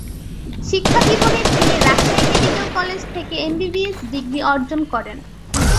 শিক্ষাজীবনে তিনি Rajshahi medical college থেকে MBBS degree অর্জন করেন।